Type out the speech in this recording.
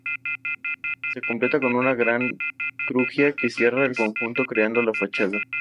Se completa con una gran crujía que cierra el conjunto creando la fachada.